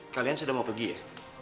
kalian sudah mau pergi ya